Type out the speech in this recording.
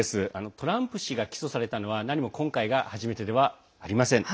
トランプ氏が起訴されたのは何も今回が初めてではありません。